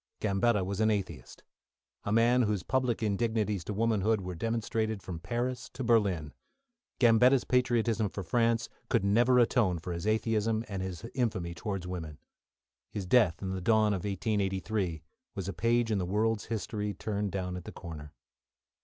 Gambetta was an atheist, a man whose public indignities to womanhood were demonstrated from Paris to Berlin. Gambetta's patriotism for France could never atone for his atheism, and his infamy towards women. His death, in the dawn of 1883, was a page in the world's history turned down at the corner.